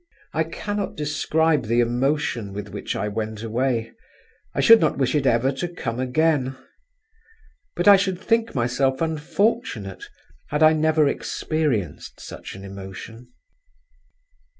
I cannot describe the emotion with which I went away. I should not wish it ever to come again; but I should think myself unfortunate had I never experienced such an emotion.